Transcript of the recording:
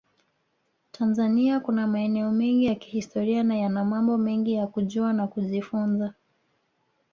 Tanzania kuna maeneo mengi ya kihistoria na yana mambo mengi ya kujua na kujifunza